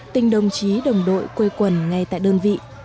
tình đồng chí đồng đội quây quần ngay tại đơn vị